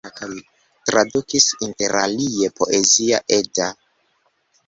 Tradukis interalie Poezia Edda.